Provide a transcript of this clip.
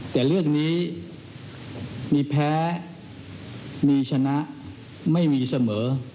แต่เรื่องนี้มีแพ้มีชนะไม่มีเสมอ